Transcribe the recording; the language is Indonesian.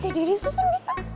harga diri susan bisa